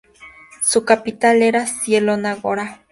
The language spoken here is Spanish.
Su capital era Zielona Góra.